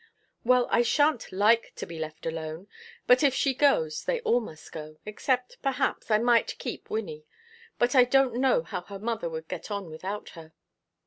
"Well, I sha'n't like to be left alone; but if she goes they must all go, except, perhaps, I might keep Wynnie. But I don't know how her mother would get on without her."